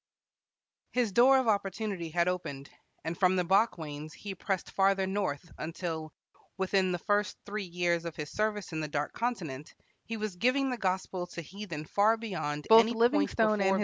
His door of opportunity had opened, and from the Bakwains he pressed farther north, until, within the first three years of his service in the Dark Continent, he was giving the gospel to heathen far beyond any point before visited by white men.